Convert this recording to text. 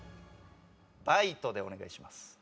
バイトでお願いします。